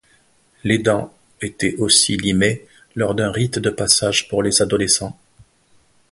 Les dents étaient aussi limées lors d'un rite de passage pour les adolescents.